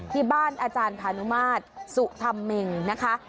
ที่บ้านอาจารย์พนสุธรรมเมงค์ค่ะ